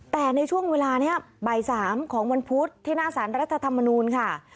แต่ในช่วงเวลานี้บ่าย๓ของวันพุธที่หน้าสารรัฐธรรมนูลค่ะ